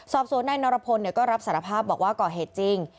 สอบสวนนายนรพลก็รับสารภาพบอกว่าก่อเหตุจริง